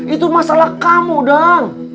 itu masalah kamu dang